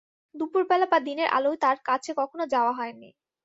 দুপুরবেলা বা দিনের আলোয় তাঁর কাছে কখনো যাওয়া হয় নি।